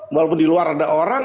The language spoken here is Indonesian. walaupun di luar ada orang